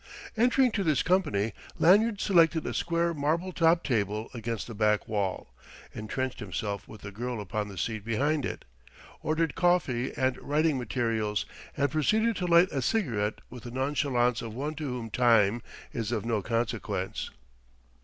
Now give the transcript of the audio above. Entering to this company, Lanyard selected a square marble topped table against the back wall, entrenched himself with the girl upon the seat behind it, ordered coffee and writing materials, and proceeded to light a cigarette with the nonchalance of one to whom time is of no consequence.